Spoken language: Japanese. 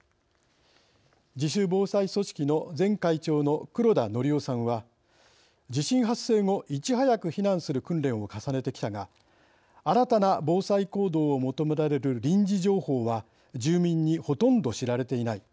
自主防災組織の前会長の黒田則男さんは「地震発生後いち早く避難する訓練を重ねてきたが新たな防災行動を求められる臨時情報は住民にほとんど知られていない。